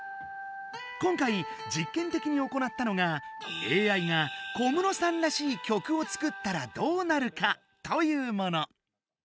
今回実験的に行ったのが「ＡＩが小室さんらしい曲を作ったらどうなるか？」というもの。